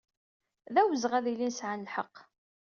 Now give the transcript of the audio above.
D awezɣi ad ilin sɛan lḥeqq.